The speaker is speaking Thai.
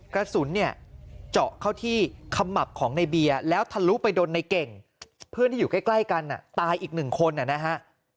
กระสุนเนี่ยเจาะเข้าที่ขมับของในเบียร์แล้วทะลุไปโดนในเก่งเพื่อนที่อยู่ใกล้กันตายอีกหนึ่งคนนะฮะ